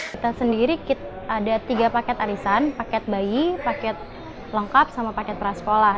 kita sendiri ada tiga paket arisan paket bayi paket lengkap sama paket prasekolah